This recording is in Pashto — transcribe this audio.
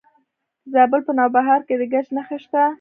د زابل په نوبهار کې د ګچ نښې شته.